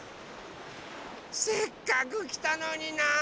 せっかくきたのになあ。